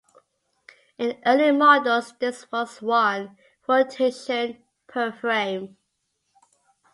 In early models, this was one rotation per frame.